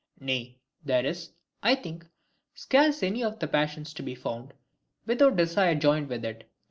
Nay, there is, I think, scarce any of the passions to be found without desire joined with it.